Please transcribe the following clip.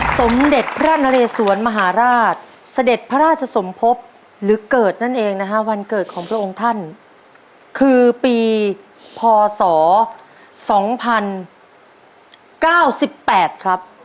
สมเด็จพระนเรสวนมหาราชเสด็จพระราชสมภพหรือเกิดนั่นเองนะฮะวันเกิดของพระองค์ท่านคือปีพศ๒๐๙๘ครับ